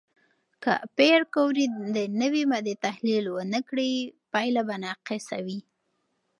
که پېیر کوري د نوې ماده تحلیل ونه کړي، پایله به ناقصه وي.